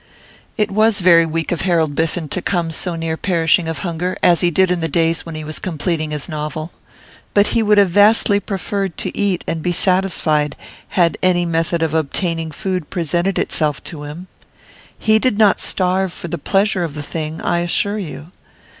It was very weak of Harold Biffen to come so near perishing of hunger as he did in the days when he was completing his novel. But he would have vastly preferred to eat and be satisfied had any method of obtaining food presented itself to him. He did not starve for the pleasure of the thing, I assure you.